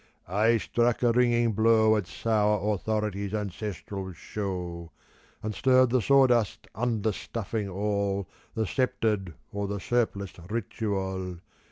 I struck a ringing blow At sour Authority's ancestral show. And stirred the sawdust understuffing all The sceptred or the surpliced ritual.